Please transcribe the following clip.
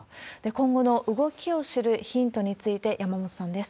今後の動きを知るヒントについて、山本さんです。